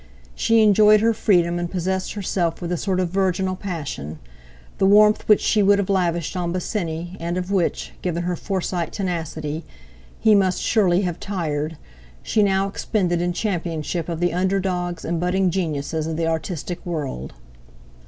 She enjoyed her freedom, and possessed herself with a sort of virginal passion; the warmth which she would have lavished on Bosinney, and of which—given her Forsyte tenacity—he must surely have tired, she now expended in championship of the underdogs and budding "geniuses" of the artistic world.